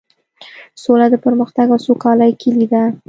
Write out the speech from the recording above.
سوله د پرمختګ او سوکالۍ کیلي ده.